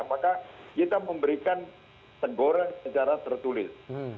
maka kita memberikan teguran secara tertulis